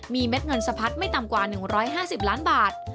มีเม็ดเงินสะพัดไม่ต่ำกว่า๑๕๐ล้านบาท